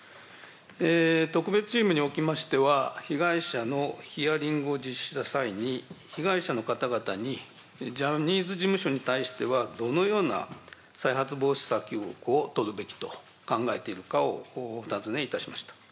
特別チームにおきましては被害者のヒアリングを実施した際に、被害者の方々にジャニーズ事務所に対してはどのような再発防止策を取るべきと考えているかをお尋ねいたしました。